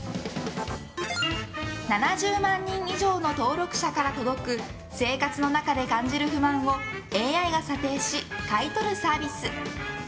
７０万人以上の登録者から届く生活の中で感じる不満をＡＩが査定し買い取るサービス。